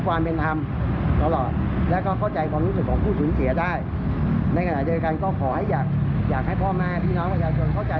การกำลังปลูกกล้อง๑๐๐ไม่ค่อยคงคงต้องเอาแต่การรูปรวงมีหลักฐาน